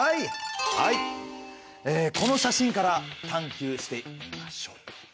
この写真から探究してみましょう。